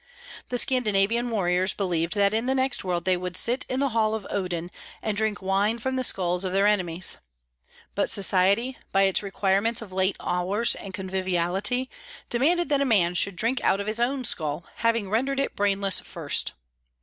The Scandinavian warriors believed that in the next world they would sit in the Hall of Odin, and drink wine from the skulls of their enemies. But society, by its requirements of late hours and conviviality, demanded that a man should drink out of his own skull, having rendered it brainless first.